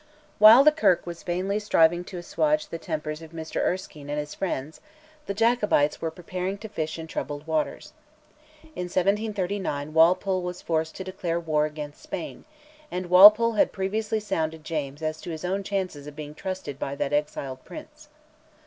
While the Kirk was vainly striving to assuage the tempers of Mr Erskine and his friends, the Jacobites were preparing to fish in troubled waters. In 1739 Walpole was forced to declare war against Spain, and Walpole had previously sounded James as to his own chances of being trusted by that exiled prince.